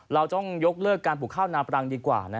เราต้องยกเลิกการปลูกข้าวนาปรังดีกว่า